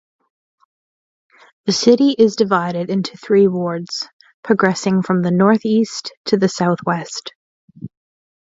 The city is divided into three wards, progressing from the northeast to the southwest.